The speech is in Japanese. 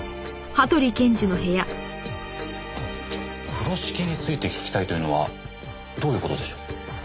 風呂敷について聞きたいというのはどういう事でしょう？